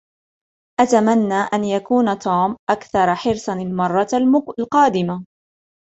أتمنى ان يكون توم أكثر حرصاً المرة القادمة.